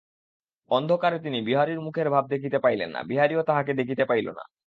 অন্ধকারে তিনি বিহারীর মুখের ভাব দেখিতে পাইলেন না, বিহারীও তাঁহাকে দেখিতে পাইল না।